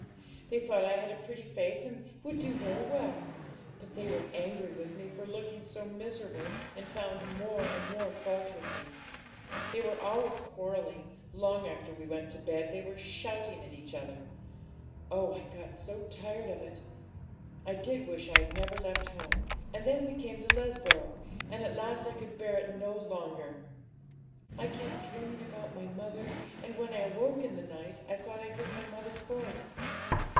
They thought I had a pretty face, and would do very well. But they were angry with me for looking so miserable, and found more and more fault with me. They were always quarrelling; long after we went to bed they were shouting at each other. Oh, I got so tired of it! I did wish I had never left home. And then we came to Lesborough, and at last I could bear it no longer. I kept dreaming about my mother, and when I woke in the night I thought I heard my mother's voice.